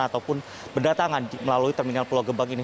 ataupun berdatangan melalui terminal pulau gebang ini